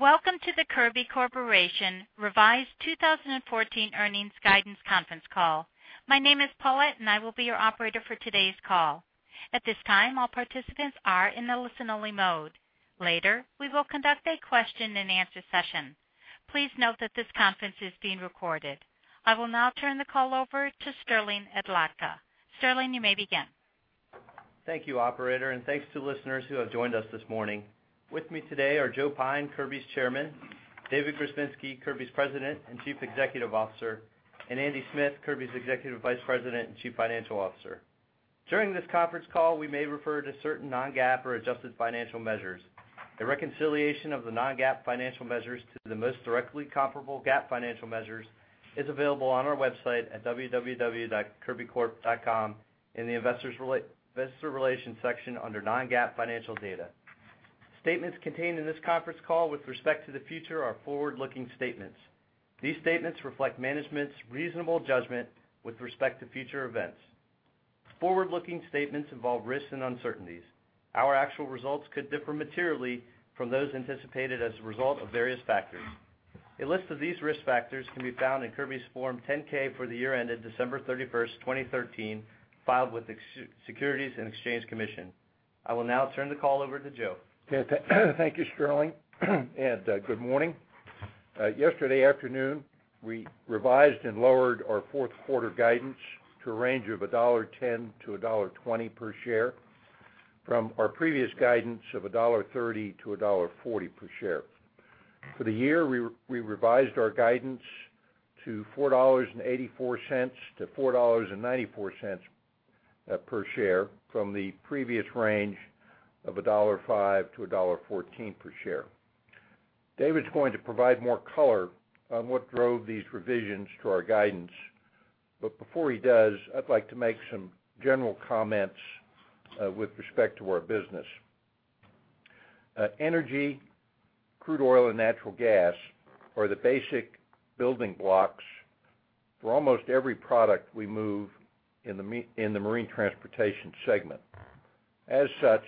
Welcome to the Kirby Corporation revised 2014 earnings guidance conference call. My name is Paulette, and I will be your operator for today's call. At this time, all participants are in the listen-only mode. Later, we will conduct a question-and-answer session. Please note that this conference is being recorded. I will now turn the call over to Sterling Adlakha. Sterling, you may begin. Thank you, operator, and thanks to listeners who have joined us this morning. With me today are Joe Pyne, Kirby's Chairman, David Grzebinski, Kirby's President and Chief Executive Officer, and Andy Smith, Kirby's Executive Vice President and Chief Financial Officer. During this conference call, we may refer to certain non-GAAP or adjusted financial measures. A reconciliation of the non-GAAP financial measures to the most directly comparable GAAP financial measures is available on our website at www.kirbycorp.com in the Investor Relations section under Non-GAAP Financial Data. Statements contained in this conference call with respect to the future are forward-looking statements. These statements reflect management's reasonable judgment with respect to future events. Forward-looking statements involve risks and uncertainties. Our actual results could differ materially from those anticipated as a result of various factors. A list of these risk factors can be found in Kirby's Form 10-K for the year ended December 31, 2013, filed with the Securities and Exchange Commission. I will now turn the call over to Joe. Thank you, Sterling. Good morning. Yesterday afternoon, we revised and lowered our fourth quarter guidance to a range of $1.10-$1.20 per share, from our previous guidance of $1.30-$1.40 per share. For the year, we revised our guidance to $4.84-$4.94 per share from the previous range of $1.05-$1.14 per share. David's going to provide more color on what drove these revisions to our guidance. Before he does, I'd like to make some general comments with respect to our business. Energy, crude oil, and natural gas are the basic building blocks for almost every product we move in the marine transportation segment. As such,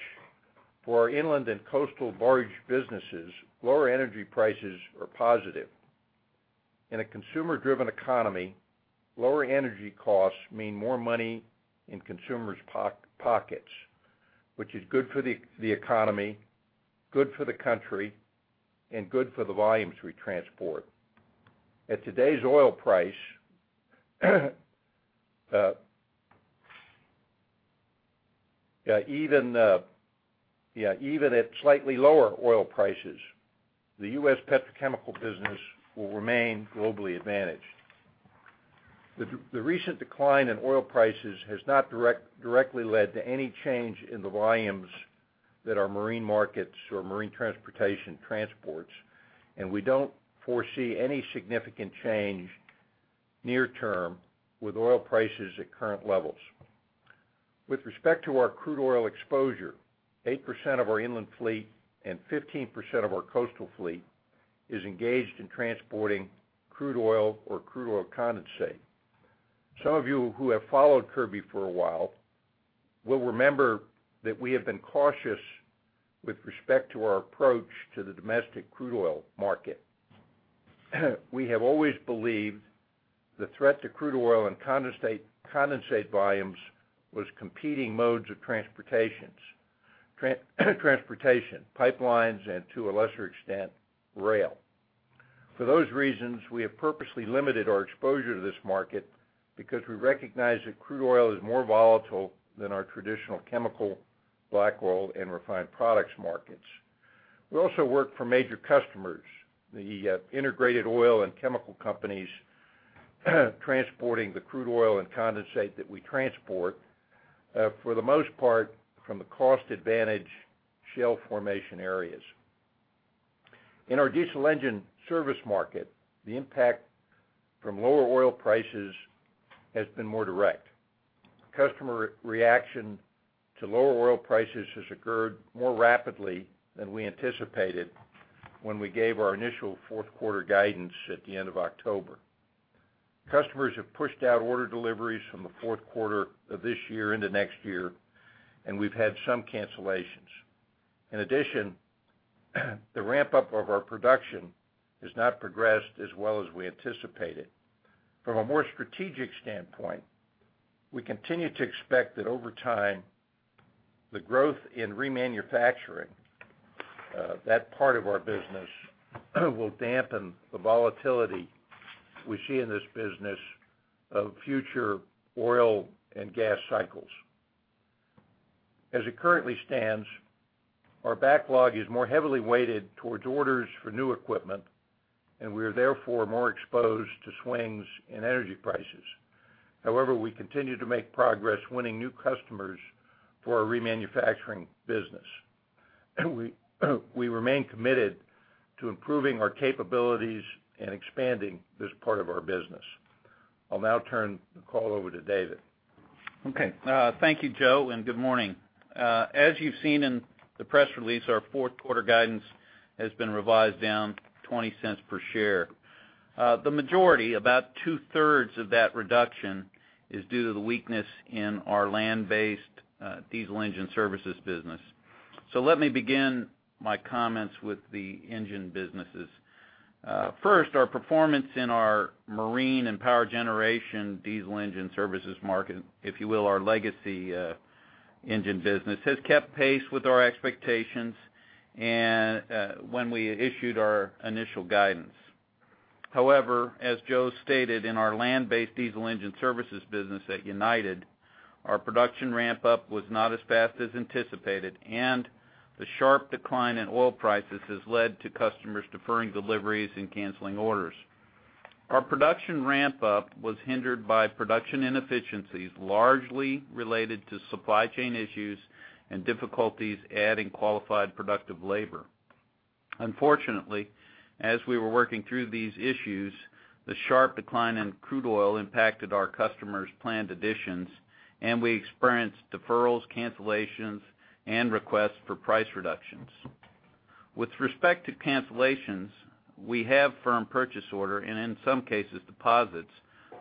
for our inland and coastal barge businesses, lower energy prices are positive. In a consumer-driven economy, lower energy costs mean more money in consumers' pockets, which is good for the economy, good for the country, and good for the volumes we transport. At today's oil price, yeah, even, yeah, even at slightly lower oil prices, the U.S. petrochemical business will remain globally advantaged. The recent decline in oil prices has not directly led to any change in the volumes that our marine markets or marine transportation transports, and we don't foresee any significant change near term with oil prices at current levels. With respect to our crude oil exposure, 8% of our inland fleet and 15% of our coastal fleet is engaged in transporting crude oil or crude oil condensate. Some of you who have followed Kirby for a while will remember that we have been cautious with respect to our approach to the domestic crude oil market. We have always believed the threat to crude oil and condensate, condensate volumes was competing modes of transportations, transportation, pipelines, and to a lesser extent, rail. For those reasons, we have purposely limited our exposure to this market because we recognize that crude oil is more volatile than our traditional chemical, black oil, and refined products markets. We also work for major customers, the integrated oil and chemical companies, transporting the crude oil and condensate that we transport, for the most part, from the cost-advantaged shale formation areas. In our Diesel Engine Services market, the impact from lower oil prices has been more direct. Customer reaction to lower oil prices has occurred more rapidly than we anticipated when we gave our initial fourth quarter guidance at the end of October. Customers have pushed out order deliveries from the fourth quarter of this year into next year, and we've had some cancellations. In addition, the ramp-up of our production has not progressed as well as we anticipated. From a more strategic standpoint, we continue to expect that over time, the growth in remanufacturing, that part of our business, will dampen the volatility we see in this business of future oil and gas cycles. As it currently stands, our backlog is more heavily weighted towards orders for new equipment, and we are therefore more exposed to swings in energy prices. However, we continue to make progress winning new customers for our remanufacturing business. We remain committed to improving our capabilities and expanding this part of our business. I'll now turn the call over to David. Okay. Thank you, Joe, and good morning. As you've seen in the press release, our fourth quarter guidance has been revised down $0.20 per share.... the majority, about two-thirds of that reduction, is due to the weakness in our land-based diesel engine services business. So let me begin my comments with the engine businesses. First, our performance in our marine and power generation diesel engine services market, if you will, our legacy engine business, has kept pace with our expectations and when we issued our initial guidance. However, as Joe stated, in our land-based diesel engine services business at United, our production ramp-up was not as fast as anticipated, and the sharp decline in oil prices has led to customers deferring deliveries and canceling orders. Our production ramp-up was hindered by production inefficiencies, largely related to supply chain issues and difficulties adding qualified, productive labor. Unfortunately, as we were working through these issues, the sharp decline in crude oil impacted our customers' planned additions, and we experienced deferrals, cancellations, and requests for price reductions. With respect to cancellations, we have firm purchase order and, in some cases, deposits,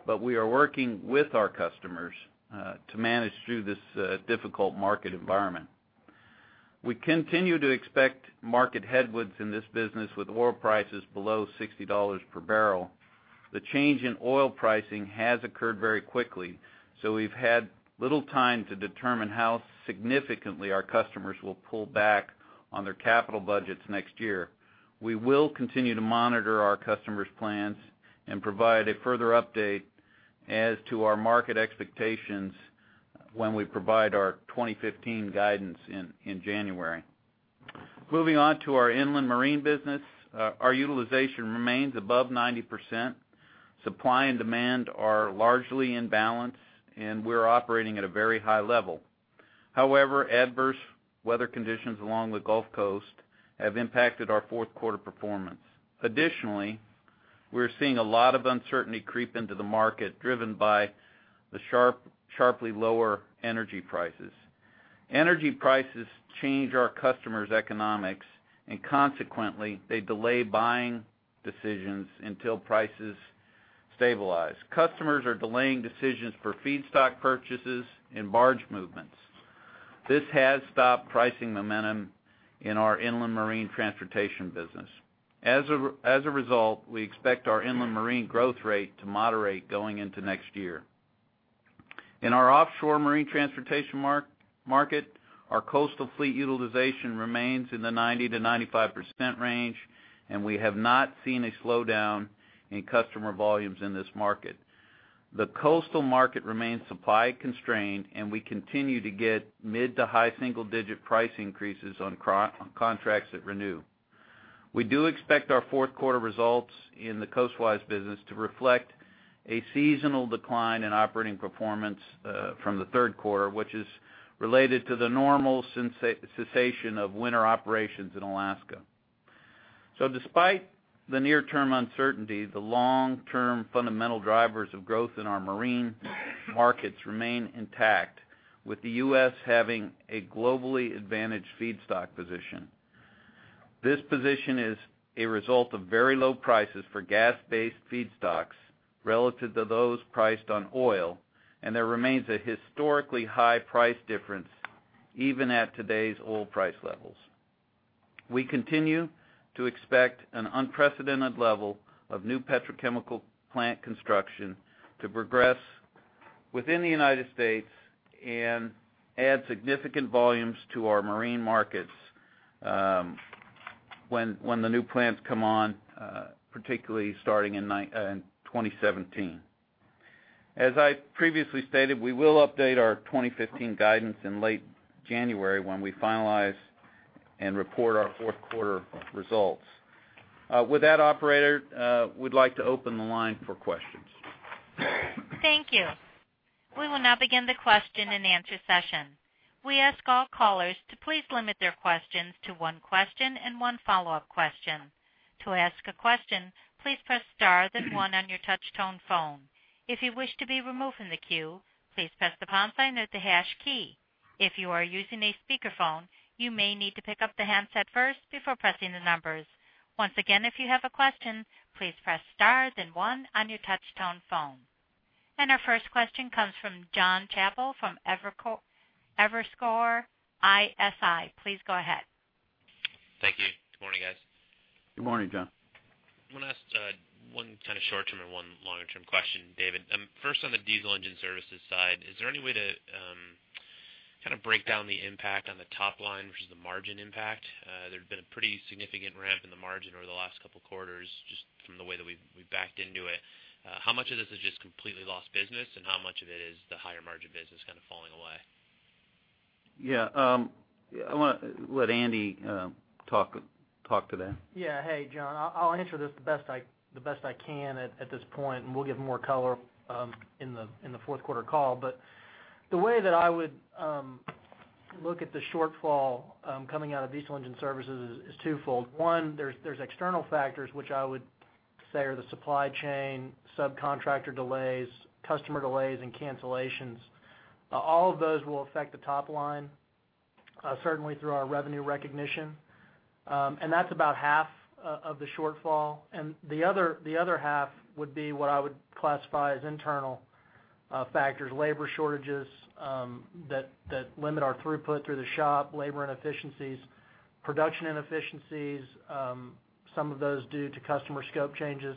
but we are working with our customers to manage through this difficult market environment. We continue to expect market headwinds in this business with oil prices below $60 per barrel. The change in oil pricing has occurred very quickly, so we've had little time to determine how significantly our customers will pull back on their capital budgets next year. We will continue to monitor our customers' plans and provide a further update as to our market expectations when we provide our 2015 guidance in January. Moving on to our inland marine business, our utilization remains above 90%. Supply and demand are largely in balance, and we're operating at a very high level. However, adverse weather conditions along the Gulf Coast have impacted our fourth quarter performance. Additionally, we're seeing a lot of uncertainty creep into the market, driven by the sharply lower energy prices. Energy prices change our customers' economics, and consequently, they delay buying decisions until prices stabilize. Customers are delaying decisions for feedstock purchases and barge movements. This has stopped pricing momentum in our inland marine transportation business. As a result, we expect our inland marine growth rate to moderate going into next year. In our offshore marine transportation market, our coastal fleet utilization remains in the 90%-95% range, and we have not seen a slowdown in customer volumes in this market. The coastal market remains supply constrained, and we continue to get mid- to high single-digit price increases on crude on contracts that renew. We do expect our fourth quarter results in the coastwise business to reflect a seasonal decline in operating performance from the third quarter, which is related to the normal cessation of winter operations in Alaska. So despite the near-term uncertainty, the long-term fundamental drivers of growth in our marine markets remain intact, with the US having a globally advantaged feedstock position. This position is a result of very low prices for gas-based feedstocks relative to those priced on oil, and there remains a historically high price difference even at today's oil price levels. We continue to expect an unprecedented level of new petrochemical plant construction to progress within the United States and add significant volumes to our marine markets, when the new plants come on, particularly starting in 2019. As I previously stated, we will update our 2015 guidance in late January when we finalize and report our fourth quarter results. With that, operator, we'd like to open the line for questions. Thank you. We will now begin the question and answer session. We ask all callers to please limit their questions to one question and one follow-up question. To ask a question, please press star, then one on your touch-tone phone. If you wish to be removed from the queue, please press the pound sign or the hash key. If you are using a speakerphone, you may need to pick up the handset first before pressing the numbers. Once again, if you have a question, please press star, then one on your touch-tone phone. Our first question comes from John Chappell from Evercore ISI. Please go ahead. Thank you. Good morning, guys. Good morning, John. I want to ask one kind of short-term and one longer-term question, David. First, on the diesel engine services side, is there any way to kind of break down the impact on the top line versus the margin impact? There's been a pretty significant ramp in the margin over the last couple quarters, just from the way that we've backed into it. How much of this is just completely lost business, and how much of it is the higher margin business kind of falling away? Yeah, I want to let Andy talk to that. Yeah. Hey, John, I'll answer this the best I can at this point, and we'll give more color in the fourth quarter call. But the way that I would look at the shortfall coming out of Diesel Engine Services is twofold. One, there's external factors, which I would say are the supply chain, subcontractor delays, customer delays, and cancellations. All of those will affect the top line.... certainly through our revenue recognition. And that's about half of the shortfall, and the other half would be what I would classify as internal factors, labor shortages that limit our throughput through the shop, labor inefficiencies, production inefficiencies, some of those due to customer scope changes.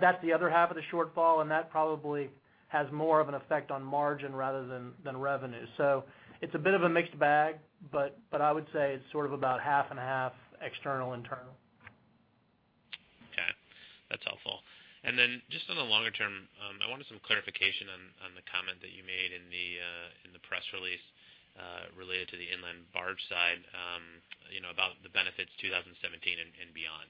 That's the other half of the shortfall, and that probably has more of an effect on margin rather than revenue. So it's a bit of a mixed bag, but I would say it's sort of about half and half external, internal. Okay, that's helpful. Then just on the longer term, I wanted some clarification on the comment that you made in the press release related to the inland barge side, you know, about the benefits 2017 and beyond.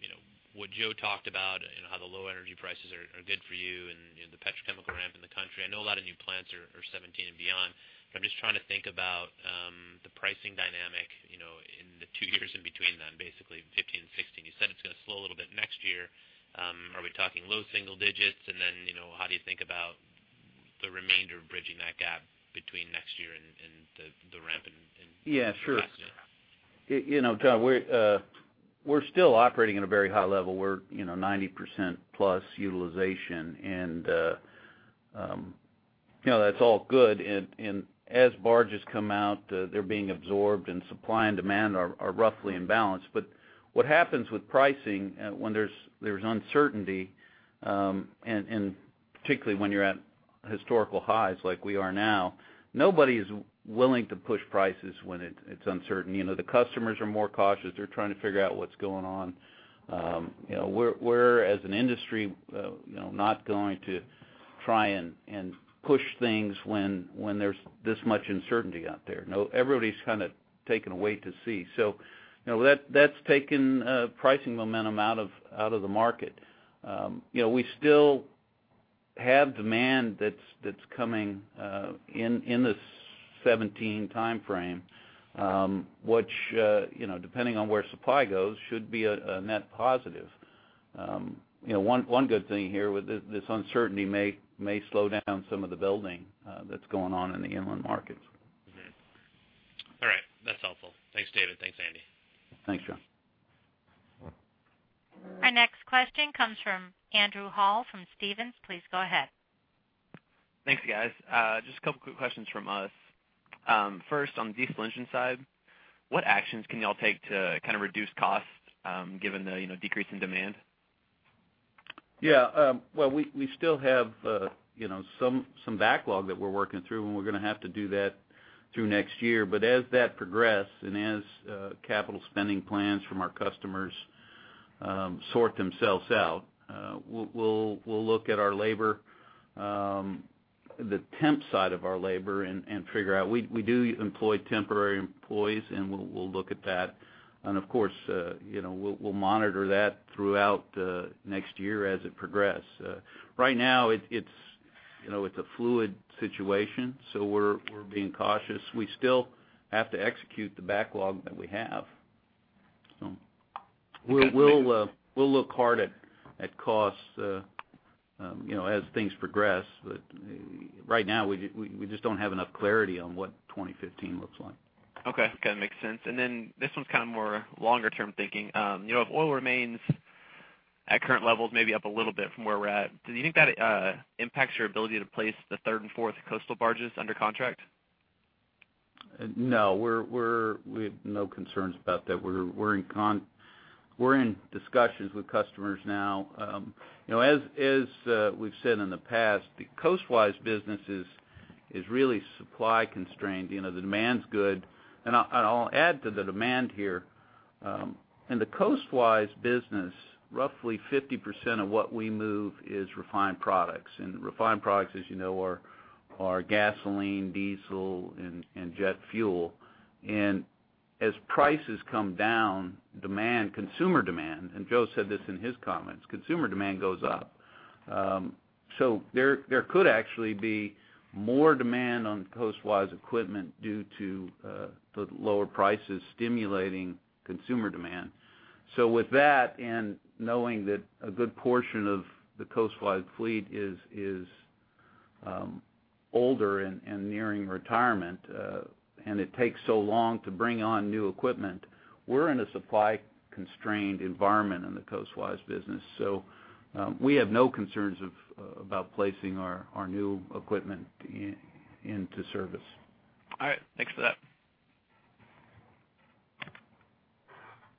You know, what Joe talked about, you know, how the low energy prices are good for you and, you know, the petrochemical ramp in the country. I know a lot of new plants are 2017 and beyond, but I'm just trying to think about the pricing dynamic, you know, in the two years in between them, basically 2015 and 2016. You said it's gonna slow a little bit next year. Are we talking low single digits? And then, you know, how do you think about the remainder of bridging that gap between next year and the ramp and— Yeah, sure. - progress? You know, John, we're still operating at a very high level. We're, you know, 90% plus utilization, and, you know, that's all good. And as barges come out, they're being absorbed, and supply and demand are roughly in balance. But what happens with pricing, when there's uncertainty, and particularly when you're at historical highs like we are now, nobody is willing to push prices when it's uncertain. You know, the customers are more cautious. They're trying to figure out what's going on. You know, we're as an industry, you know, not going to try and push things when there's this much uncertainty out there. No, everybody's kind of taking a wait to see. So you know, that's taken pricing momentum out of the market. You know, we still have demand that's coming in this 2017 timeframe, which you know, depending on where supply goes, should be a net positive. You know, one good thing here with this uncertainty may slow down some of the building that's going on in the inland markets. Mm-hmm. All right. That's helpful. Thanks, David. Thanks, Andy. Thanks, John. Our next question comes from Andrew Hall from Stephens. Please go ahead. Thanks, guys. Just a couple quick questions from us. First, on the diesel engine side, what actions can y'all take to kind of reduce costs, given the, you know, decrease in demand? Yeah. Well, we still have, you know, some backlog that we're working through, and we're gonna have to do that through next year. But as that progress, and as capital spending plans from our customers sort themselves out, we'll look at our labor, the temp side of our labor and figure out. We do employ temporary employees, and we'll look at that. And of course, you know, we'll monitor that throughout next year as it progress. Right now, it's, you know, it's a fluid situation, so we're being cautious. We still have to execute the backlog that we have. So we'll look hard at costs, you know, as things progress. But right now, we just don't have enough clarity on what 2015 looks like. Okay. Okay, makes sense. And then this one's kind of more longer-term thinking. You know, if oil remains at current levels, maybe up a little bit from where we're at, do you think that impacts your ability to place the third and fourth coastal barges under contract? No. We have no concerns about that. We're in discussions with customers now. You know, as we've said in the past, the coastwise business is really supply constrained. You know, the demand's good, and I'll add to the demand here. In the coastwise business, roughly 50% of what we move is refined products, and refined products, as you know, are gasoline, diesel, and jet fuel. And as prices come down, demand, consumer demand, and Joe said this in his comments, consumer demand goes up. So there could actually be more demand on coastwise equipment due to the lower prices stimulating consumer demand. So with that, and knowing that a good portion of the coastwise fleet is older and nearing retirement, and it takes so long to bring on new equipment, we're in a supply-constrained environment in the coastwise business. So, we have no concerns about placing our new equipment into service. All right. Thanks for that.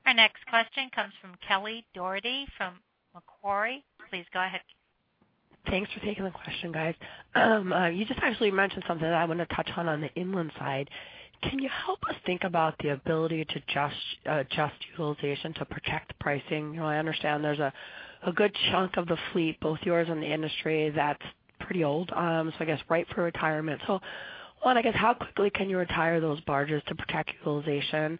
Our next question comes from Kelly Dougherty from Macquarie. Please go ahead. Thanks for taking the question, guys. You just actually mentioned something that I want to touch on, on the inland side. Can you help us think about the ability to adjust, adjust utilization to protect pricing? You know, I understand there's a good chunk of the fleet, both yours and the industry, that's pretty old, so I guess ripe for retirement. So one, I guess, how quickly can you retire those barges to protect utilization?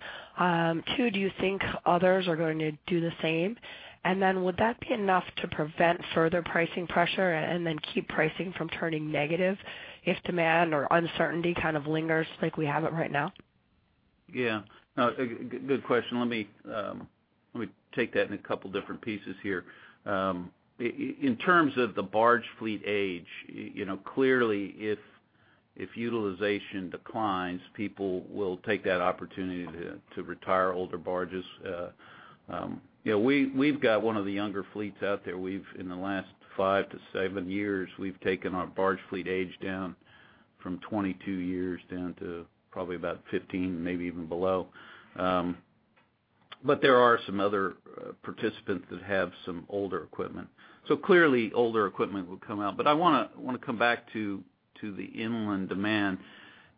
Two, do you think others are going to do the same? And then would that be enough to prevent further pricing pressure and then keep pricing from turning negative if demand or uncertainty kind of lingers like we have it right now?... Yeah. No, good, good question. Let me take that in a couple different pieces here. In terms of the barge fleet age, you know, clearly, if, if utilization declines, people will take that opportunity to, to retire older barges. You know, we, we've got one of the younger fleets out there. We've, in the last 5 to 7 years, we've taken our barge fleet age down from 22 years down to probably about 15, maybe even below. But there are some other participants that have some older equipment. So clearly, older equipment will come out. But I wanna, wanna come back to, to the inland demand.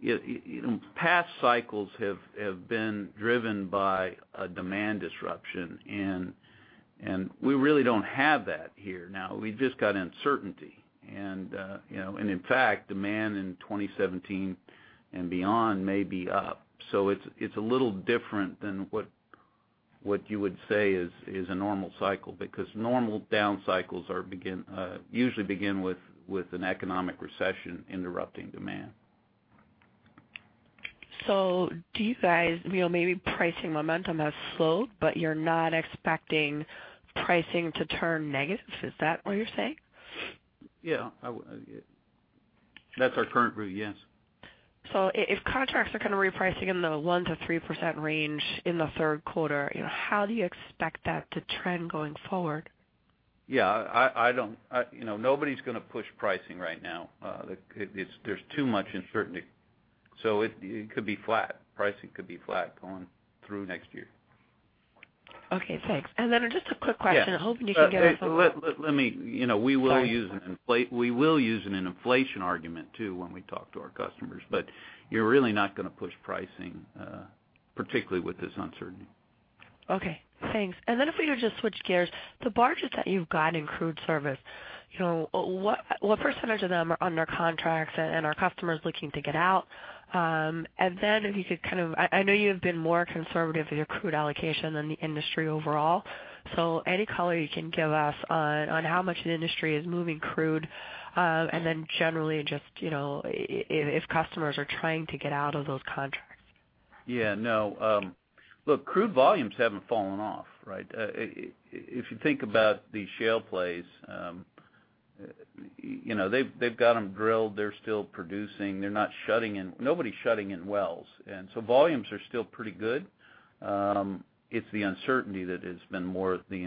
You, you know, past cycles have, have been driven by a demand disruption, and, and we really don't have that here. Now, we've just got uncertainty. And, you know, and in fact, demand in 2017 and beyond may be up. So it's a little different than what you would say is a normal cycle, because normal down cycles usually begin with an economic recession interrupting demand. So do you guys, you know, maybe pricing momentum has slowed, but you're not expecting pricing to turn negative? Is that what you're saying? Yeah, I would-- That's our current view, yes. So if contracts are kind of repricing in the 1%-3% range in the third quarter, you know, how do you expect that to trend going forward? Yeah, I don't... you know, nobody's gonna push pricing right now. There's too much uncertainty. So it could be flat. Pricing could be flat going through next year. Okay, thanks. And then just a quick question. Yeah. I'm hoping you can get us a little- Let me, you know- Sorry. We will use an inflation argument, too, when we talk to our customers, but you're really not gonna push pricing, particularly with this uncertainty. Okay, thanks. And then if we could just switch gears, the barges that you've got in crude service, you know, what percentage of them are under contracts and are customers looking to get out? And then if you could kind of, I know you have been more conservative with your crude allocation than the industry overall, so any color you can give us on how much the industry is moving crude, and then generally just, you know, if customers are trying to get out of those contracts. Yeah, no. Look, crude volumes haven't fallen off, right? If you think about the shale plays, you know, they've, they've got them drilled, they're still producing, they're not shutting in, nobody's shutting in wells. And so volumes are still pretty good. It's the uncertainty that has been more of the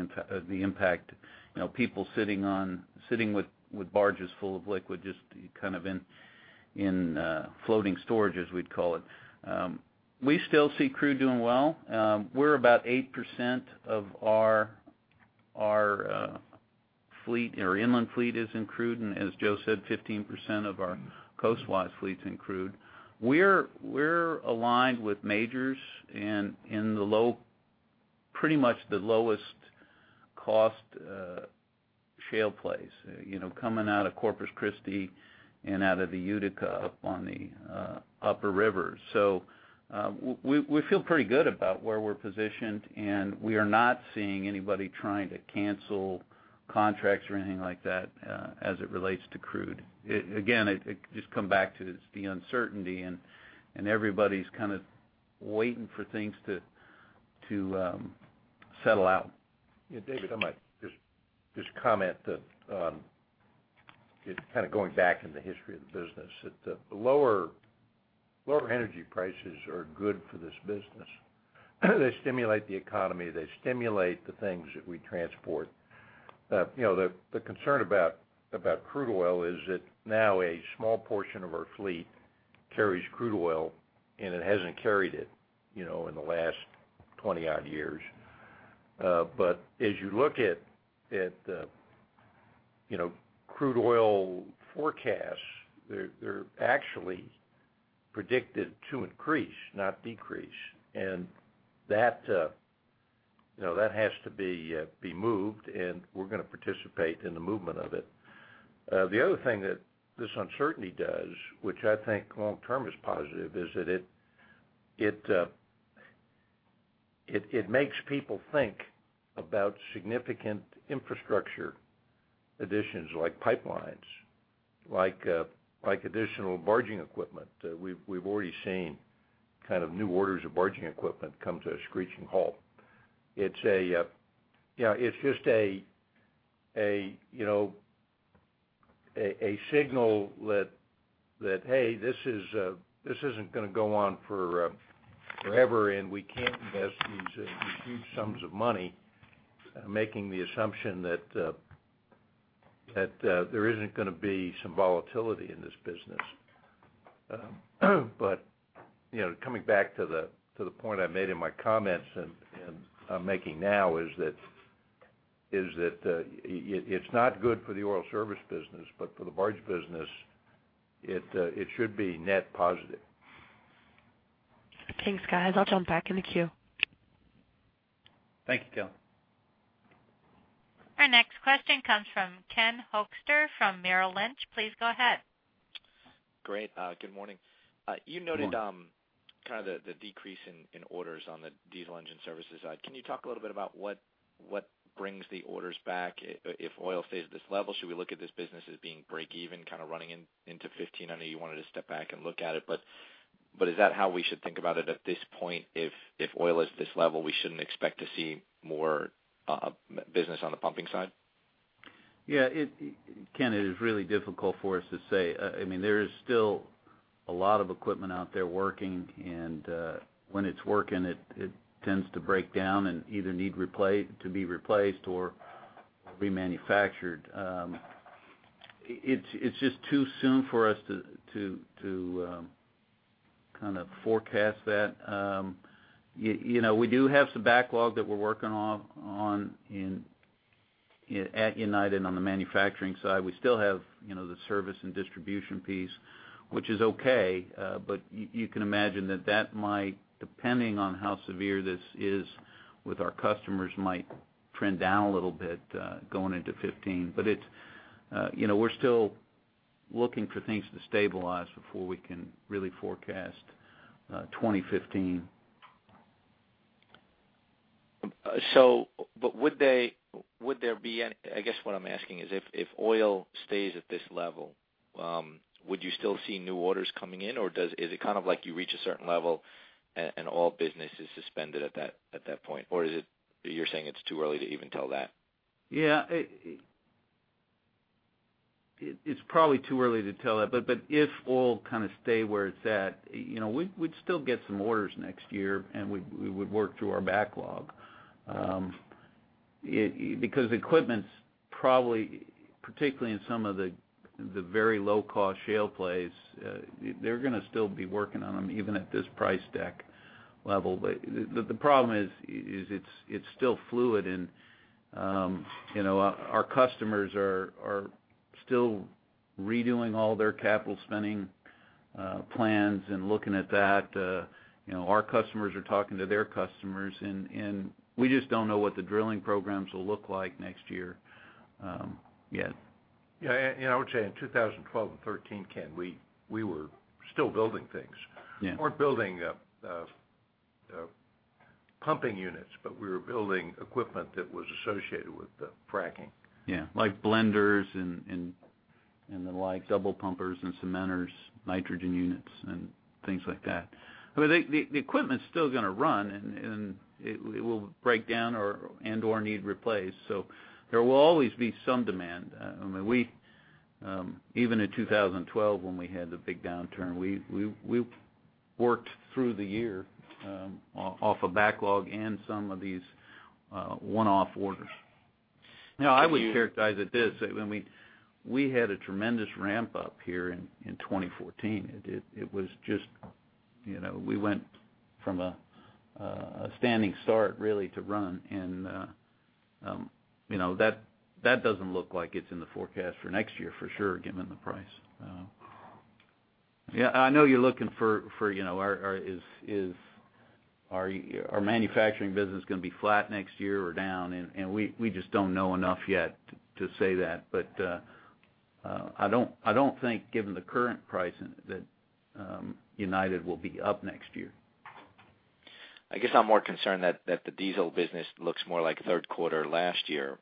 impact. You know, people sitting on, sitting with, with barges full of liquid, just kind of in, in, floating storage, as we'd call it. We still see crude doing well. We're about 8% of our fleet, our inland fleet is in crude, and as Joe said, 15% of our coastwise fleet's in crude. We're aligned with majors and in the low, pretty much the lowest cost shale plays, you know, coming out of Corpus Christi and out of the Utica, up on the upper river. So, we feel pretty good about where we're positioned, and we are not seeing anybody trying to cancel contracts or anything like that, as it relates to crude. Again, I just come back to it's the uncertainty, and everybody's kind of waiting for things to settle out. Yeah, David, I might just comment that it's kind of going back in the history of the business, that the lower energy prices are good for this business. They stimulate the economy, they stimulate the things that we transport. You know, the concern about crude oil is that now a small portion of our fleet carries crude oil, and it hasn't carried it, you know, in the last 20-odd years. But as you look at, you know, crude oil forecasts, they're actually predicted to increase, not decrease. And that, you know, that has to be moved, and we're gonna participate in the movement of it. The other thing that this uncertainty does, which I think long term is positive, is that it makes people think about significant infrastructure additions like pipelines, like, like additional barging equipment. We've already seen kind of new orders of barging equipment come to a screeching halt. It's a, you know, it's just a, you know, a signal that, hey, this is, this isn't gonna go on for, forever, and we can't invest these huge sums of money, making the assumption that, there isn't gonna be some volatility in this business. But, you know, coming back to the point I made in my comments and I'm making now, is that it's not good for the oil service business, but for the barge business, it should be net positive. Thanks, guys. I'll jump back in the queue. Thank you, Kelly. Our next question comes from Ken Hoexter from Merrill Lynch. Please go ahead. Great. Good morning. Good morning. You noted kind of the decrease in orders on the diesel engine services side. Can you talk a little bit about what brings the orders back? If oil stays at this level, should we look at this business as being break even, kind of running into 2015? I know you wanted to step back and look at it, but is that how we should think about it at this point, if oil is this level, we shouldn't expect to see more business on the pumping side? Yeah, Ken, it is really difficult for us to say. I mean, there is still a lot of equipment out there working, and when it's working, it tends to break down and either need to be replaced or remanufactured. It's just too soon for us to kind of forecast that. You know, we do have some backlog that we're working on in at United on the manufacturing side. We still have, you know, the service and distribution piece, which is okay. But you can imagine that might, depending on how severe this is with our customers, trend down a little bit going into 2015. But it's, you know, we're still looking for things to stabilize before we can really forecast 2015. So but would there be—I guess, what I'm asking is, if oil stays at this level, would you still see new orders coming in, or is it kind of like you reach a certain level and all business is suspended at that point? Or is it, you're saying it's too early to even tell that? Yeah. It's probably too early to tell that. But if oil kind of stays where it's at, you know, we'd still get some orders next year, and we would work through our backlog. Because equipment's probably, particularly in some of the very low-cost shale plays, they're gonna still be working on them, even at this price deck level. But the problem is it's still fluid and, you know, our customers are still redoing all their capital spending plans and looking at that. You know, our customers are talking to their customers, and we just don't know what the drilling programs will look like next year, yet. Yeah, and I would say in 2012 and 2013, Ken, we were still building things. Yeah. We weren't building pumping units, but we were building equipment that was associated with the fracking. Yeah, like blenders and the like, double pumpers and cementers, nitrogen units, and things like that. I mean, the equipment's still gonna run, and it will break down or and/or need replaced. So there will always be some demand. I mean, we even in 2012, when we had the big downturn, we worked through the year off of backlog and some of these one-off orders. Now, I would characterize it this, when we had a tremendous ramp-up here in 2014. It was just, you know, we went from a standing start, really, to run and you know, that doesn't look like it's in the forecast for next year, for sure, given the price. Yeah, I know you're looking for you know is our manufacturing business gonna be flat next year or down? And we just don't know enough yet to say that. But I don't think given the current price that United will be up next year. I guess I'm more concerned that the diesel business looks more like third quarter last year,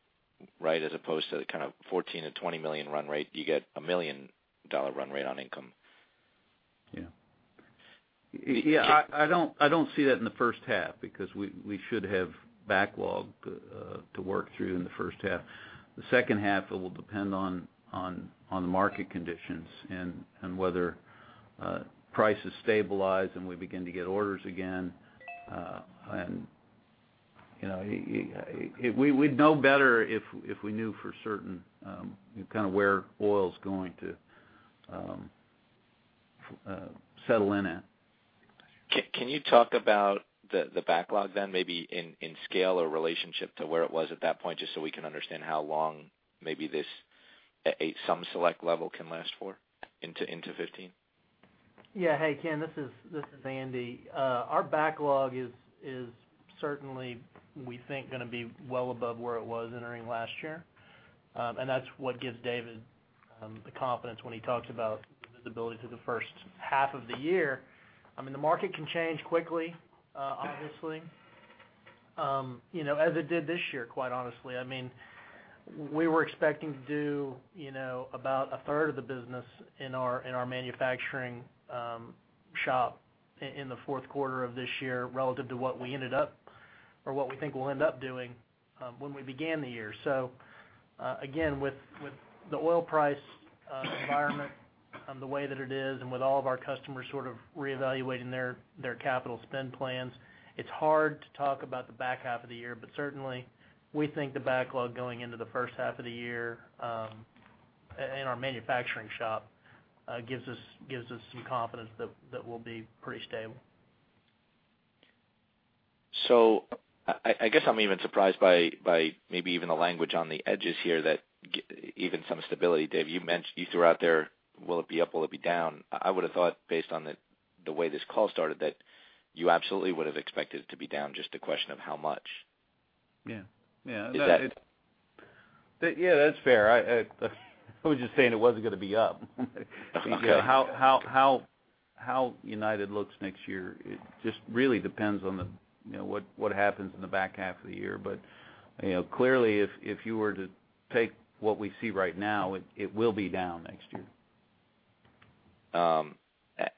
right? As opposed to the kind of $14 million-$20 million run rate, you get a $1 million run rate on income. Yeah. Yeah, I don't see that in the first half because we should have backlog to work through in the first half. The second half, it will depend on the market conditions and whether prices stabilize, and we begin to get orders again. And, you know, it—we'd know better if we knew for certain kind of where oil's going to settle in at. Can you talk about the backlog then, maybe in scale or relationship to where it was at that point, just so we can understand how long maybe this some select level can last for into 2015? Yeah. Hey, Ken, this is Andy. Our backlog is certainly, we think, gonna be well above where it was entering last year. And that's what gives David the confidence when he talks about visibility through the first half of the year. I mean, the market can change quickly, obviously, you know, as it did this year, quite honestly. I mean, we were expecting to do, you know, about a third of the business in our manufacturing shop in the fourth quarter of this year, relative to what we ended up, or what we think we'll end up doing, when we began the year. So, again, with the oil price environment the way that it is, and with all of our customers sort of reevaluating their capital spend plans, it's hard to talk about the back half of the year. But certainly, we think the backlog going into the first half of the year in our manufacturing shop gives us some confidence that will be pretty stable. So I guess I'm even surprised by maybe even the language on the edges here, that even some stability. Dave, you mentioned, you threw out there, will it be up? Will it be down? I would've thought, based on the way this call started, that you absolutely would've expected it to be down, just a question of how much. Yeah. Yeah. Is that- Yeah, that's fair. I, I was just saying it wasn't gonna be up. Okay. How United looks next year, it just really depends on the, you know, what happens in the back half of the year. But, you know, clearly, if you were to take what we see right now, it will be down next year.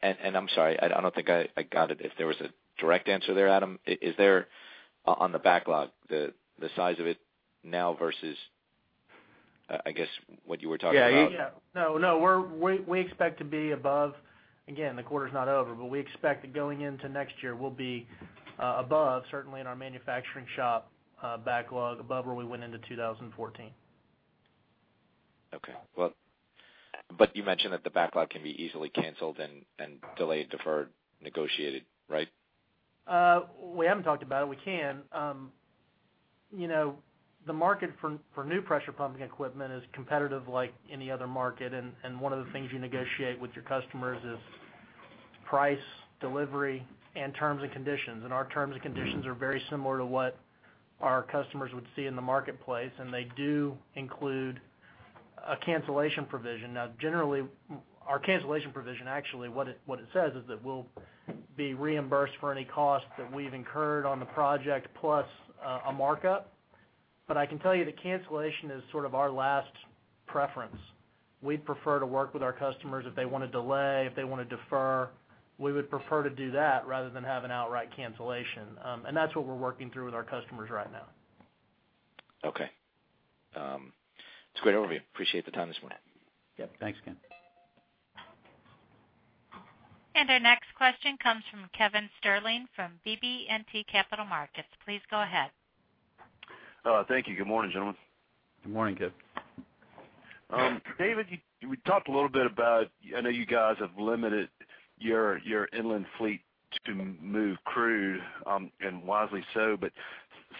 And I'm sorry, I don't think I got it, if there was a direct answer there, Adam. Is there, on the backlog, the size of it now versus, I guess, what you were talking about? Yeah, yeah. No, no, we expect to be above. Again, the quarter's not over, but we expect that going into next year, we'll be above, certainly in our manufacturing shop backlog, above where we went into 2014. Okay. Well, but you mentioned that the backlog can be easily canceled and delayed, deferred, negotiated, right? We haven't talked about it. We can. You know, the market for new pressure pumping equipment is competitive like any other market, and one of the things you negotiate with your customers is price, delivery, and terms and conditions. Our terms and conditions are very similar to what our customers would see in the marketplace, and they do include a cancellation provision. Now, generally, our cancellation provision, actually, what it says is that we'll be reimbursed for any costs that we've incurred on the project, plus a markup. But I can tell you that cancellation is sort of our last preference. We'd prefer to work with our customers if they want to delay, if they want to defer. We would prefer to do that rather than have an outright cancellation. And that's what we're working through with our customers right now. Okay. It's a great overview. Appreciate the time this morning. Yep. Thanks, Ken. Our next question comes from Kevin Sterling from BB&T Capital Markets. Please go ahead. Thank you. Good morning, gentlemen. Good morning, Kevin. David, we talked a little bit about, I know you guys have limited your inland fleet to move crude, and wisely so. But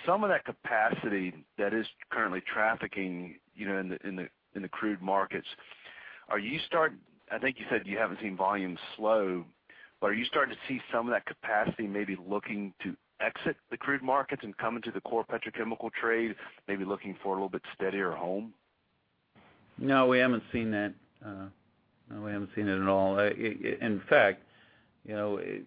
some of that capacity that is currently trafficking, you know, in the crude markets, I think you said you haven't seen volumes slow, but are you starting to see some of that capacity maybe looking to exit the crude markets and come into the core petrochemical trade, maybe looking for a little bit steadier home? No, we haven't seen that. No, we haven't seen it at all. In fact, you know, it,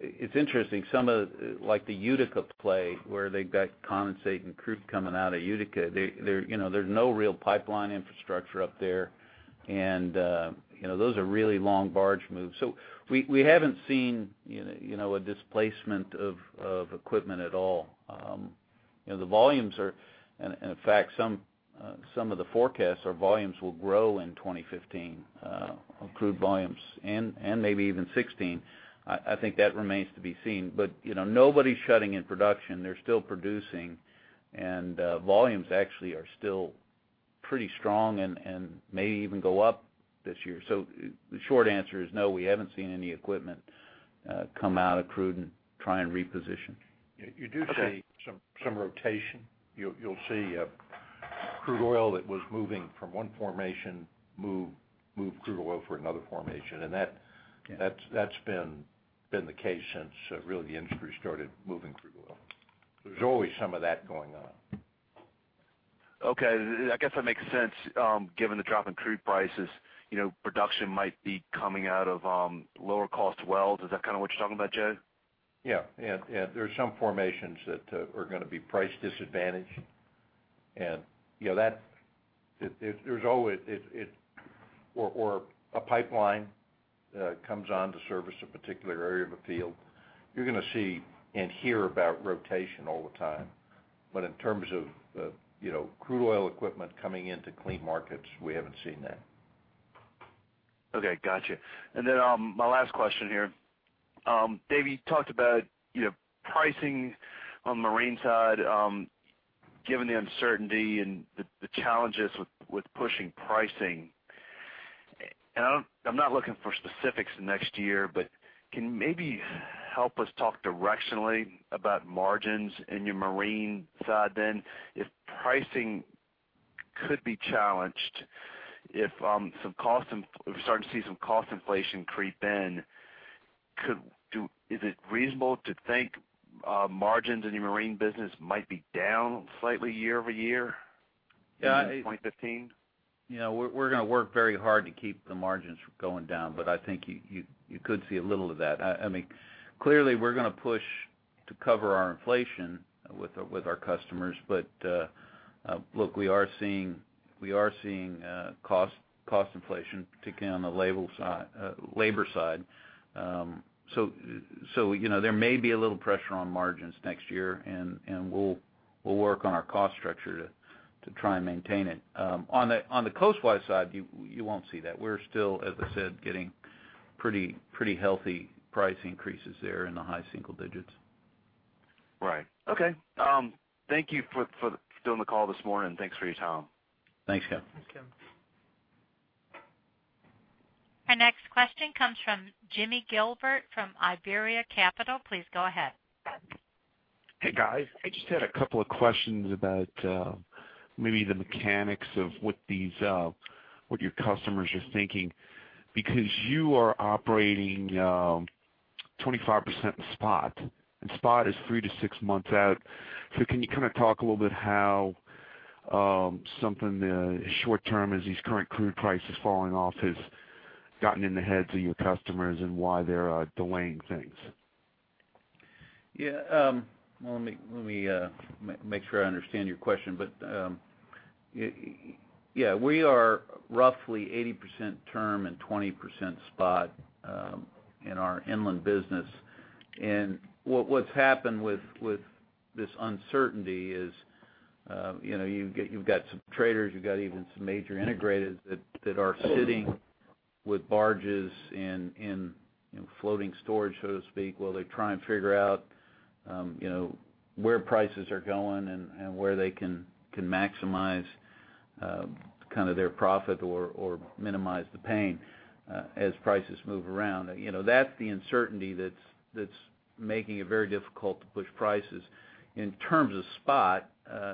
it's interesting, some of the, like the Utica play, where they've got condensate and crude coming out of Utica, they, there, you know, there's no real pipeline infrastructure up there, and, you know, those are really long barge moves. So we, we haven't seen, you know, a displacement of, of equipment at all. You know, the volumes are... And, and in fact, some, some of the forecasts are volumes will grow in 2015, crude volumes, and, and maybe even 2016. I think that remains to be seen, but, you know, nobody's shutting in production. They're still producing, and, volumes actually are still pretty strong and, and may even go up this year. So the short answer is no, we haven't seen any equipment come out of crude and try and reposition. Okay. You do see some rotation. You'll see crude oil that was moving from one formation move crude oil for another formation. And that- Yeah... that's been the case since really the industry started moving crude oil. There's always some of that going on. Okay, I guess that makes sense. Given the drop in crude prices, you know, production might be coming out of, lower cost wells. Is that kind of what you're talking about, Joe? Yeah. Yeah, yeah. There are some formations that are gonna be price disadvantaged. And, you know, that, there, there's always, it, it—or, or a pipeline comes on to service a particular area of a field. You're gonna see and hear about rotation all the time. But in terms of, you know, crude oil equipment coming into clean markets, we haven't seen that. Okay, gotcha. And then, my last question here. Dave, you talked about, you know, pricing on the marine side, given the uncertainty and the challenges with pushing pricing. And I don't—I'm not looking for specifics next year, but can you maybe help us talk directionally about margins in your marine side, then? If pricing could be challenged, if some cost, we're starting to see some cost inflation creep in, could, is it reasonable to think margins in your marine business might be down slightly year-over-year? Yeah, I- in 2015? You know, we're gonna work very hard to keep the margins from going down, but I think you could see a little of that. I mean, clearly, we're gonna push to cover our inflation with our customers. But look, we are seeing cost inflation, particularly on the labor side. So you know, there may be a little pressure on margins next year, and we'll work on our cost structure to try and maintain it. On the coastwise side, you won't see that. We're still, as I said, getting pretty healthy price increases there in the high single digits. Right. Okay, thank you for doing the call this morning, and thanks for your time. Thanks, Kevin. Thanks, Kevin. Our next question comes from Jamie Gilbert from Iberia Capital. Please go ahead. Hey, guys. I just had a couple of questions about, maybe the mechanics of what these, what your customers are thinking. Because you are operating, 25% in spot, and spot is 3-6 months out. So can you kind of talk a little bit how, something short term as these current crude prices falling off has gotten in the heads of your customers and why they're delaying things?... Yeah, well, let me make sure I understand your question. But, yeah, we are roughly 80% term and 20% spot, in our inland business. And what's happened with this uncertainty is, you know, you've got some traders, you've got even some major integrators that are sitting with barges in, you know, floating storage, so to speak, while they try and figure out, you know, where prices are going and where they can maximize kind of their profit or minimize the pain, as prices move around. You know, that's the uncertainty that's making it very difficult to push prices. In terms of spot,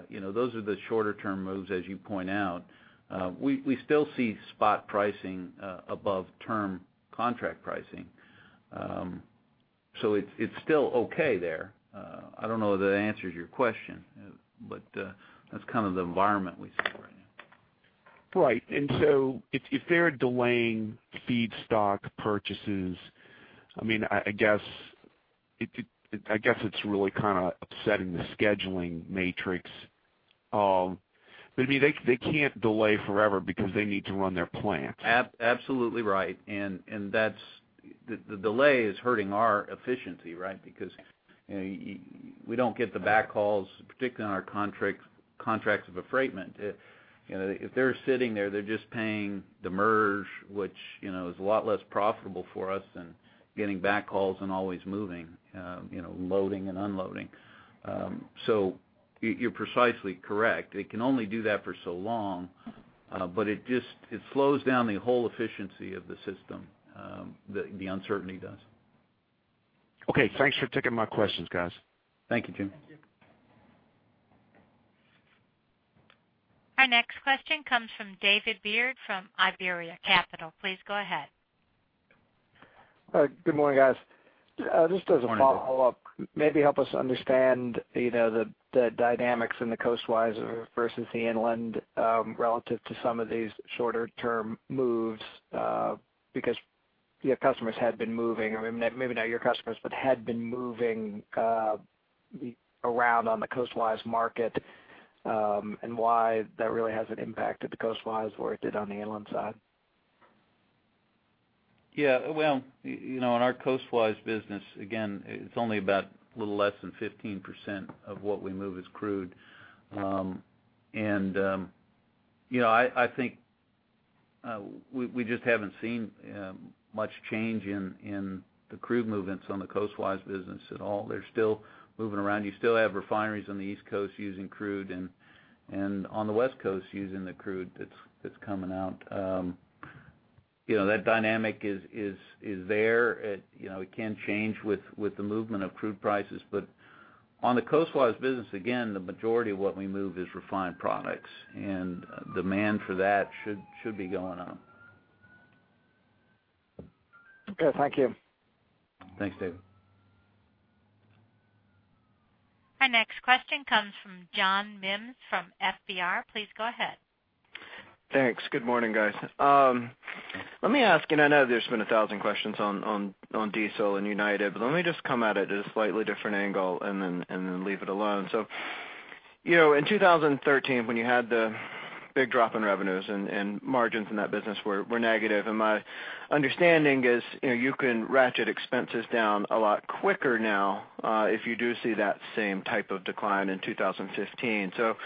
you know, those are the shorter term moves, as you point out. We still see spot pricing above term contract pricing. So it's still okay there. I don't know if that answers your question, but that's kind of the environment we see right now. Right. And so if they're delaying feedstock purchases, I mean, I guess it's really kind of upsetting the scheduling matrix. But, I mean, they can't delay forever because they need to run their plants. Absolutely right. And that's... The delay is hurting our efficiency, right? Because, you know, we don't get the backhauls, particularly on our contract, contracts of affreightment. You know, if they're sitting there, they're just paying the demurrage, which, you know, is a lot less profitable for us than getting backhauls and always moving, you know, loading and unloading. So you're precisely correct. They can only do that for so long, but it just, it slows down the whole efficiency of the system, the uncertainty does. Okay, thanks for taking my questions, guys. Thank you, Jim. Thank you. Our next question comes from David Beard from Iberia Capital. Please go ahead. Good morning, guys. Morning. Just as a follow-up, maybe help us understand, you know, the dynamics in the coastwise versus the inland, relative to some of these shorter term moves. Because, you know, customers had been moving, or maybe not your customers, but had been moving, around on the coastwise market, and why that really hasn't impacted the coastwise where it did on the inland side. Yeah. Well, you, you know, on our coast-wise business, again, it's only about a little less than 15% of what we move is crude. And you know, I, I think, we just haven't seen much change in, in the crude movements on the coast-wise business at all. They're still moving around. You still have refineries on the East Coast using crude and, and on the West Coast using the crude that's, that's coming out. You know, that dynamic is, is, is there. It, you know, it can change with, with the movement of crude prices. But on the coast-wise business, again, the majority of what we move is refined products, and demand for that should, should be going up. Okay. Thank you. Thanks, David. Our next question comes from John Mims from FBR. Please go ahead. Thanks. Good morning, guys. Let me ask, and I know there's been a thousand questions on diesel and United, but let me just come at it from a slightly different angle and then leave it alone. So, you know, in 2013, when you had the big drop in revenues and margins in that business were negative, and my understanding is, you know, you can ratchet expenses down a lot quicker now, if you do see that same type of decline in 2015. So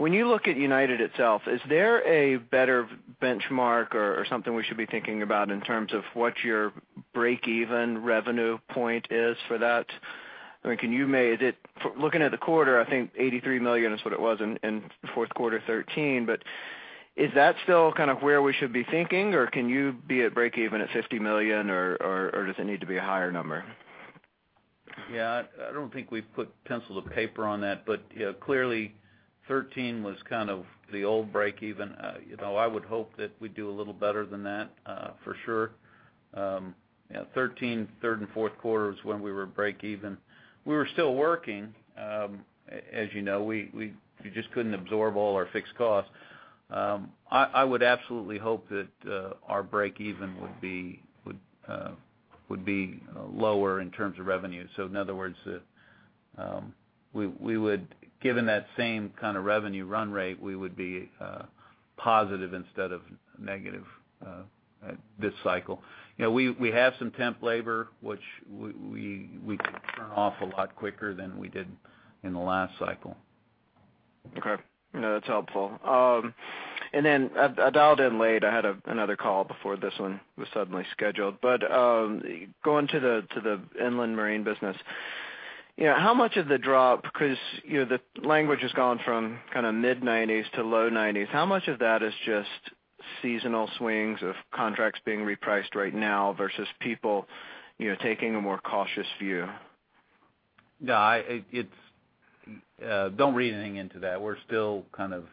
when you look at United itself, is there a better benchmark or something we should be thinking about in terms of what your break-even revenue point is for that? I mean, can you make it for looking at the quarter, I think $83 million is what it was in the fourth quarter 2013. But is that still kind of where we should be thinking, or can you be at break-even at $50 million, or does it need to be a higher number? Yeah, I don't think we've put pencil to paper on that, but, you know, clearly, 2013 was kind of the old break even. You know, I would hope that we do a little better than that, for sure. Yeah, 2013, third and fourth quarter was when we were break even. We were still working, as you know, we just couldn't absorb all our fixed costs. I would absolutely hope that our break even would be lower in terms of revenue. So in other words, we would, given that same kind of revenue run rate, we would be positive instead of negative this cycle. You know, we have some temp labor, which we could turn off a lot quicker than we did in the last cycle. Okay. You know, that's helpful. And then I dialed in late. I had another call before this one was suddenly scheduled. But going to the inland marine business, you know, how much of the drop, because you know, the language has gone from kind of mid-90s% to low 90s%. How much of that is just seasonal swings of contracts being repriced right now versus people, you know, taking a more cautious view? No, it's. Don't read anything into that. We're still kind of,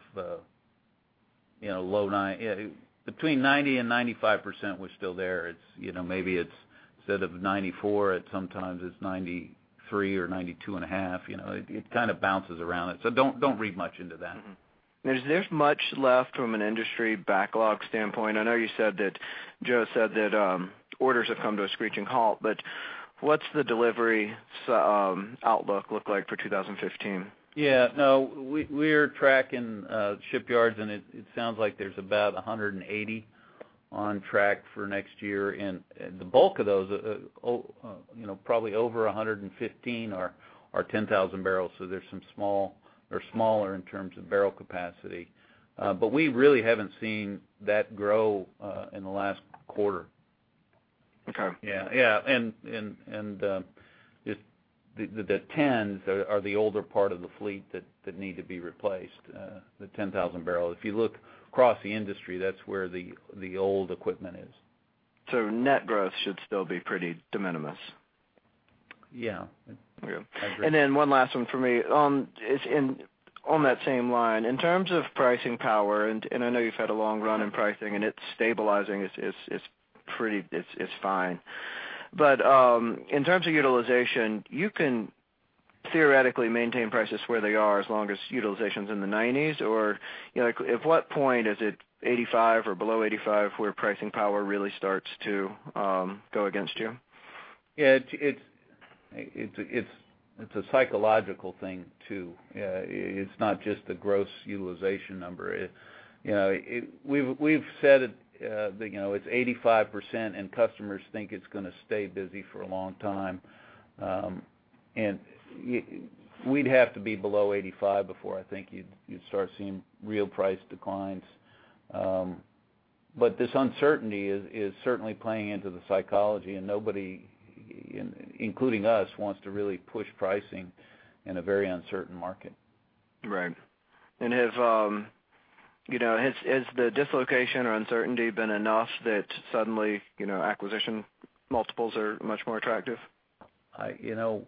you know, low 90s, between 90% and 95%, we're still there. It's, you know, maybe it's instead of 94, it's sometimes 93 or 92.5. You know, it kind of bounces around. So don't read much into that.... Is there much left from an industry backlog standpoint? I know you said that, Joe said that, orders have come to a screeching halt, but what's the delivery outlook look like for 2015? Yeah. No, we're tracking shipyards, and it sounds like there's about 180 on track for next year, and the bulk of those, you know, probably over 115 are 10,000 barrels, so there's some small or smaller in terms of barrel capacity. But we really haven't seen that grow in the last quarter. Okay. Yeah, yeah, just the tens are the older part of the fleet that need to be replaced, the 10,000 barrels. If you look across the industry, that's where the old equipment is. Net growth should still be pretty de minimis? Yeah. Yeah. I agree. And then one last one for me. On that same line, in terms of pricing power, and I know you've had a long run in pricing, and it's stabilizing. It's pretty fine. But in terms of utilization, you can theoretically maintain prices where they are as long as utilization's in the 90s? Or, you know, at what point is it 85 or below 85, where pricing power really starts to go against you? Yeah, it's a psychological thing, too. It's not just the gross utilization number. You know, we've said it, you know, it's 85%, and customers think it's gonna stay busy for a long time. And we'd have to be below 85 before I think you'd start seeing real price declines. But this uncertainty is certainly playing into the psychology, and nobody, including us, wants to really push pricing in a very uncertain market. Right. And has the dislocation or uncertainty been enough that suddenly, you know, acquisition multiples are much more attractive? You know,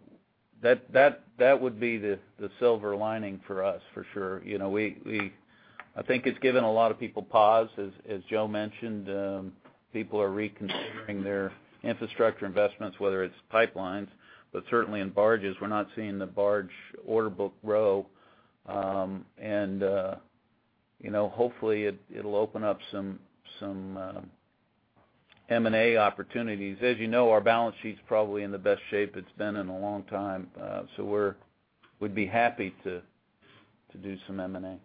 that would be the silver lining for us, for sure. You know, I think it's given a lot of people pause. As Joe mentioned, people are reconsidering their infrastructure investments, whether it's pipelines, but certainly in barges. We're not seeing the barge order book grow. And you know, hopefully, it'll open up some M&A opportunities. As you know, our balance sheet's probably in the best shape it's been in a long time. So we're, we'd be happy to do some M&A.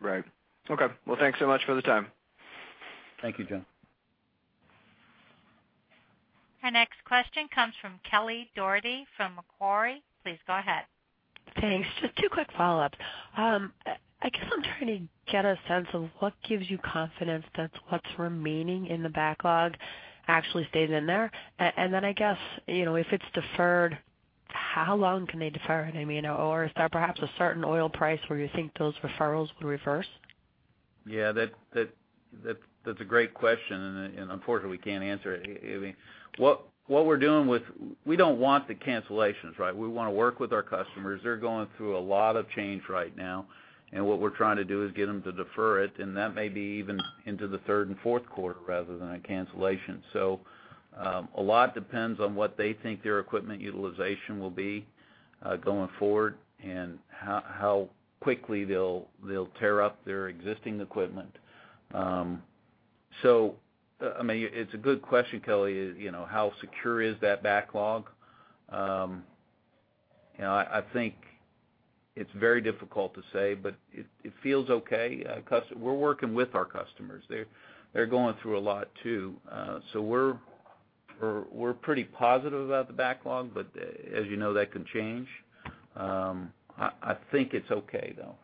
Right. Okay. Well, thanks so much for the time. Thank you, John. Our next question comes from Kelly Dougherty from Macquarie. Please go ahead. Thanks. Just two quick follow-ups. I guess I'm trying to get a sense of what gives you confidence that what's remaining in the backlog actually stays in there. And then I guess, you know, if it's deferred, how long can they defer it? I mean, or is there perhaps a certain oil price where you think those deferrals would reverse? Yeah, that's a great question, and unfortunately, we can't answer it. I mean, what we're doing with... We don't want the cancellations, right? We wanna work with our customers. They're going through a lot of change right now, and what we're trying to do is get them to defer it, and that may be even into the third and fourth quarter, rather than a cancellation. So, a lot depends on what they think their equipment utilization will be, going forward and how quickly they'll tear up their existing equipment. So, I mean, it's a good question, Kelly, you know, how secure is that backlog? You know, I think it's very difficult to say, but it feels okay. We're working with our customers. They're going through a lot, too. We're pretty positive about the backlog, but as you know, that can change. I think it's okay, though.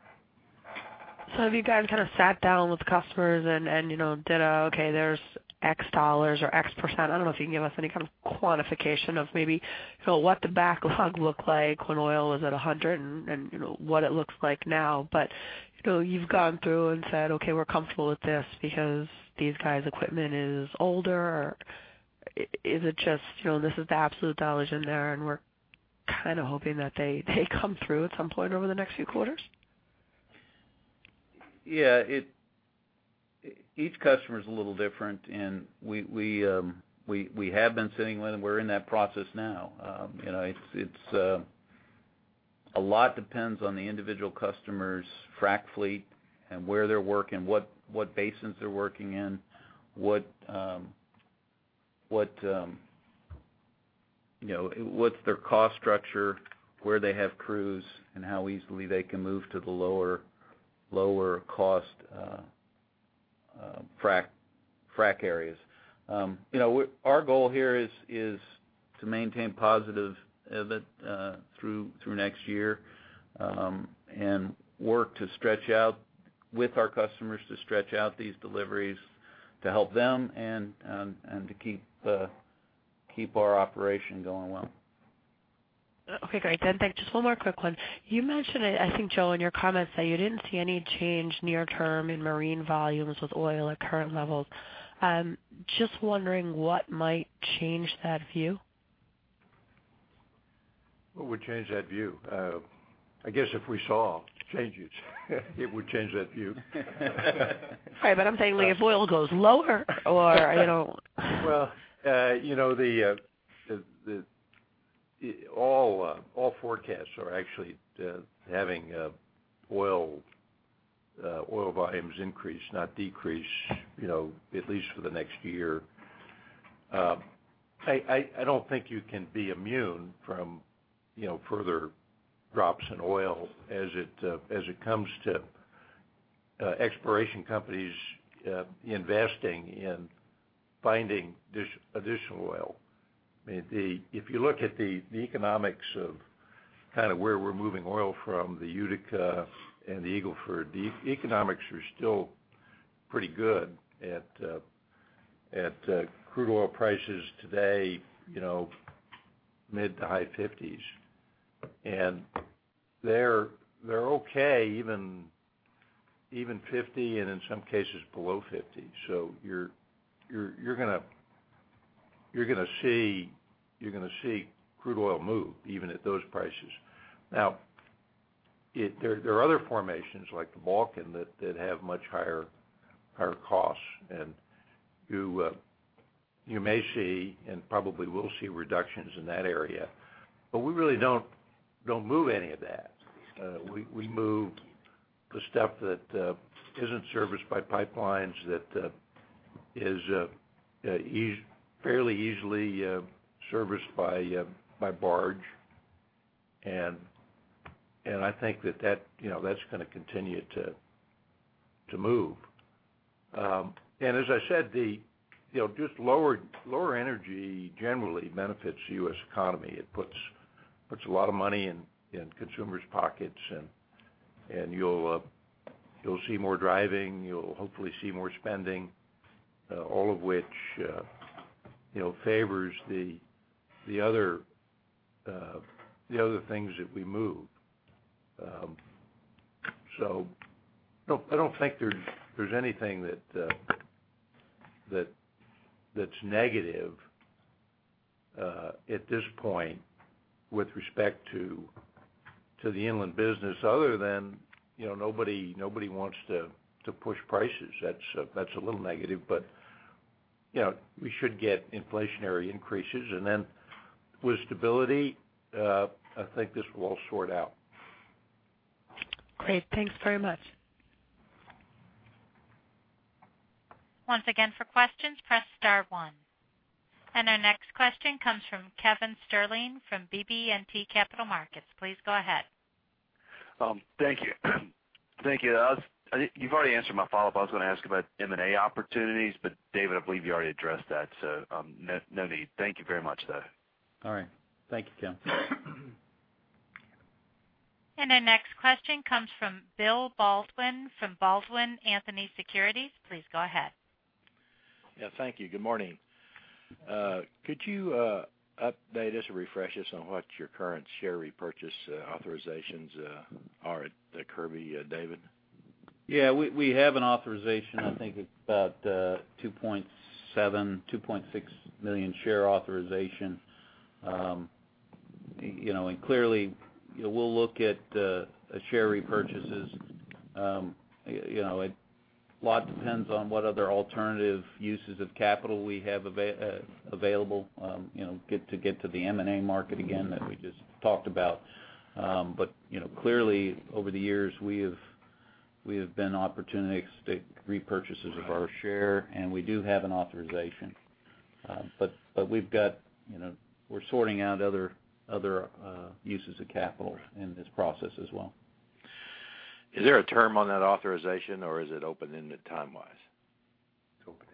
So have you guys kind of sat down with the customers and, you know, did, okay, there's X dollars or X%? I don't know if you can give us any kind of quantification of maybe, you know, what the backlog looked like when oil was at $100 and, you know, what it looks like now. But, you know, you've gone through and said, "Okay, we're comfortable with this because these guys' equipment is older." Or is it just, you know, this is the absolute dollars in there, and we're kind of hoping that they come through at some point over the next few quarters? Yeah, each customer is a little different, and we have been sitting with them. We're in that process now. You know, it's a lot depends on the individual customer's frac fleet and where they're working, what basins they're working in, what you know, what's their cost structure, where they have crews, and how easily they can move to the lower-cost frac areas. You know, our goal here is to maintain positive EBITDA through next year, and work to stretch out with our customers to stretch out these deliveries to help them and to keep our operation going well. Okay, great. Then, thanks. Just one more quick one. You mentioned, I think, Joe, in your comments, that you didn't see any change near term in marine volumes with oil at current levels. Just wondering what might change that view? What would change that view? I guess if we saw changes, it would change that view. Right, but I'm saying, like, if oil goes lower or, you know? Well, you know, the-... all forecasts are actually having oil volumes increase, not decrease, you know, at least for the next year. I don't think you can be immune from, you know, further drops in oil as it comes to exploration companies investing in finding additional oil. I mean, if you look at the economics of kind of where we're moving oil from, the Utica and the Eagle Ford, the economics are still pretty good at crude oil prices today, you know, mid- to high $50s. And they're okay, even 50, and in some cases below 50. So you're gonna see crude oil move even at those prices. Now, there are other formations like the Bakken that have much higher costs, and you may see and probably will see reductions in that area. But we really don't move any of that. We move the stuff that isn't serviced by pipelines, that is fairly easily serviced by barge. And I think that, you know, that's gonna continue to move. And as I said, you know, just lower energy generally benefits the U.S. economy. It puts a lot of money in consumers' pockets, and you'll see more driving, you'll hopefully see more spending, all of which, you know, favors the other things that we move. So, I don't think there's anything that's negative at this point with respect to the inland business other than, you know, nobody wants to push prices. That's a little negative, but, you know, we should get inflationary increases. And then with stability, I think this will all sort out. Great. Thanks very much. Once again, for questions, press star one. Our next question comes from Kevin Sterling from BB&T Capital Markets. Please go ahead. Thank you. Thank you. I think you've already answered my follow-up. I was gonna ask about M&A opportunities, but David, I believe you already addressed that, so, no, no need. Thank you very much, though. All right. Thank you, Kevin. Our next question comes from Bill Baldwin from Baldwin Anthony Securities. Please go ahead. Yeah, thank you. Good morning. Could you update us or refresh us on what your current share repurchase authorizations are at Kirby, David? Yeah, we have an authorization, I think, about 2.7, 2.6 million share authorization. You know, and clearly, you know, we'll look at share repurchases. You know, a lot depends on what other alternative uses of capital we have available, you know, get to get to the M&A market again, that we just talked about. But, you know, clearly, over the years, we have been opportunistic repurchasers of our share, and we do have an authorization. But we've got, you know, we're sorting out other uses of capital in this process as well. Is there a term on that authorization or is it open-ended time-wise?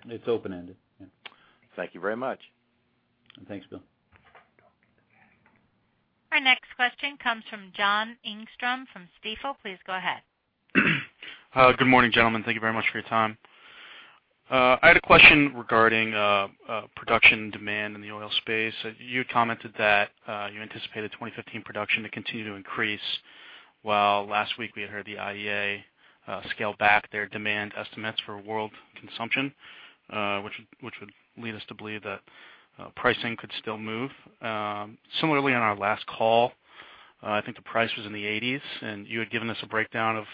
It's open-ended. Thank you very much. Thanks, Bill. Our next question comes from John Engstrom from Stifel. Please go ahead. Good morning, gentlemen. Thank you very much for your time. I had a question regarding production demand in the oil space. You commented that you anticipated 2015 production to continue to increase, while last week we had heard the IEA scale back their demand estimates for world consumption, which would lead us to believe that pricing could still move. Similarly, on our last call, I think the price was in the 80s, and you had given us a breakdown of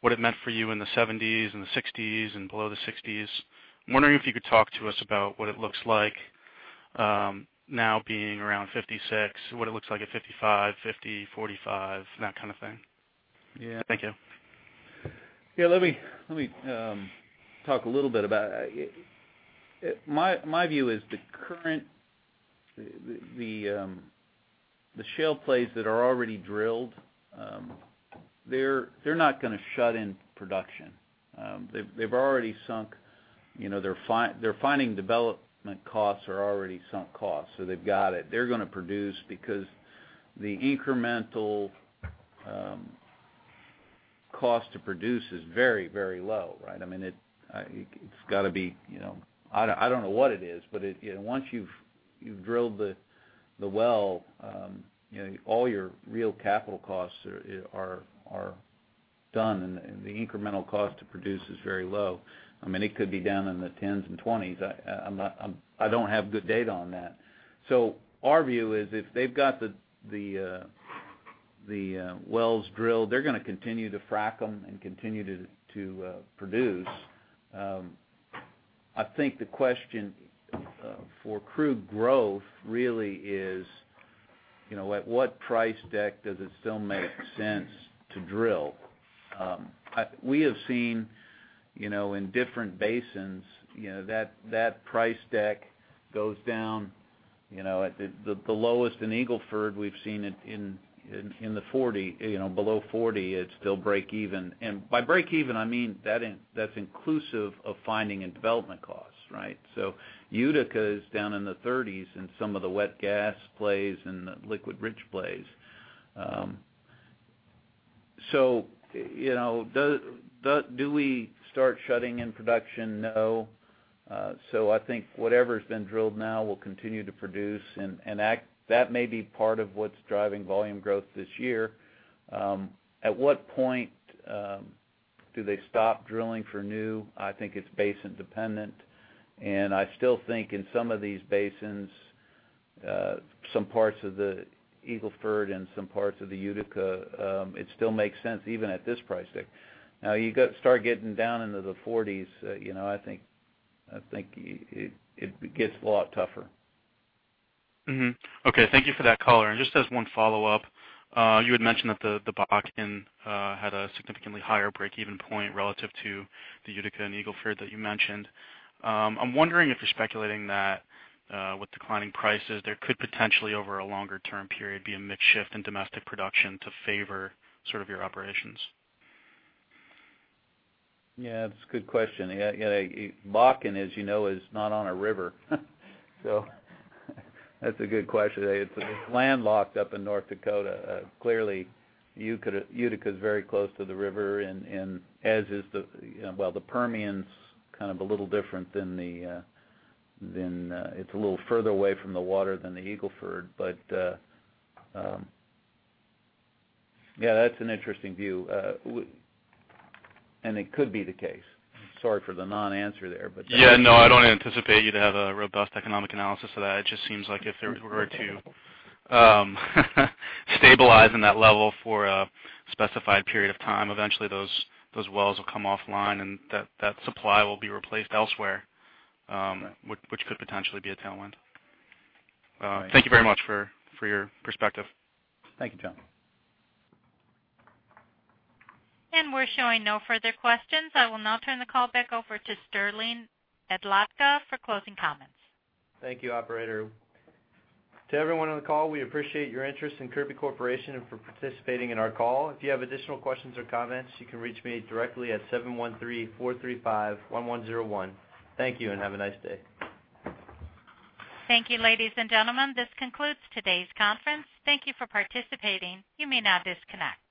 what it meant for you in the 70s, in the 60s, and below the 60s. I'm wondering if you could talk to us about what it looks like now being around 56, what it looks like at 55, 50, 45, that kind of thing. Yeah. Thank you. Yeah, let me talk a little bit about it. My view is the current shale plays that are already drilled, they're not gonna shut in production. They've already sunk, you know, their finding development costs are already sunk costs, so they've got it. They're gonna produce because the incremental cost to produce is very, very low, right? I mean, it's gotta be, you know. I don't know what it is, but you know, once you've drilled the well, you know, all your real capital costs are done, and the incremental cost to produce is very low. I mean, it could be down in the tens and twenties. I'm not, I don't have good data on that. So our view is if they've got the wells drilled, they're gonna continue to frack them and continue to produce.... I think the question for crude growth really is, you know, at what price deck does it still make sense to drill? We have seen, you know, in different basins, you know, that price deck goes down, you know, at the lowest in Eagle Ford, we've seen it in the 40, you know, below 40, it's still breakeven. And by breakeven, I mean, that's inclusive of finding and development costs, right? So Utica is down in the 30s, and some of the wet gas plays and the liquid rich plays. So, you know, do we start shutting in production? No. So I think whatever's been drilled now will continue to produce, and that may be part of what's driving volume growth this year. At what point do they stop drilling for new? I think it's basin dependent, and I still think in some of these basins, some parts of the Eagle Ford and some parts of the Utica, it still makes sense, even at this price deck. Now, you go start getting down into the forties, you know, I think it gets a lot tougher. Mm-hmm. Okay, thank you for that color. Just as one follow-up, you had mentioned that the Bakken had a significantly higher breakeven point relative to the Utica and Eagle Ford that you mentioned. I'm wondering if you're speculating that, with declining prices, there could potentially, over a longer term period, be a major shift in domestic production to favor sort of your operations? Yeah, that's a good question. Yeah, yeah, Bakken, as you know, is not on a river. So that's a good question. It's landlocked up in North Dakota. Clearly, Utica, Utica is very close to the river, and, and as is the, well, the Permian's kind of a little different than the, than... it's a little further away from the water than the Eagle Ford. But, yeah, that's an interesting view. And it could be the case. Sorry for the non-answer there, but- Yeah. No, I don't anticipate you to have a robust economic analysis of that. It just seems like if there were to stabilize in that level for a specified period of time, eventually those wells will come offline, and that supply will be replaced elsewhere, which could potentially be a tailwind. Thank you very much for your perspective. Thank you, John. We're showing no further questions. I will now turn the call back over to Sterling Adlakha for closing comments. Thank you, operator. To everyone on the call, we appreciate your interest in Kirby Corporation and for participating in our call. If you have additional questions or comments, you can reach me directly at 713-435-1101. Thank you, and have a nice day. Thank you, ladies and gentlemen. This concludes today's conference. Thank you for participating. You may now disconnect.